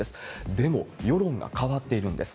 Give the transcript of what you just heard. でも、世論が変わっているんです。